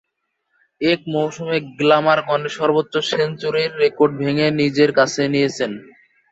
এক মৌসুমে গ্ল্যামারগনের সর্বোচ্চ সেঞ্চুরির রেকর্ড ভেঙে নিজের করে নিয়েছেন।